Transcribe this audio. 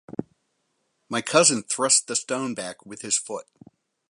My cousin thrust the stone back with his foot.